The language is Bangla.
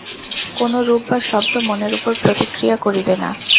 কোন রূপ বা শব্দ মনের উপর প্রতিক্রিয়া করিবে না।